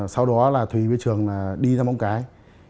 sau đó là thùy với trường là đi ra bóng cái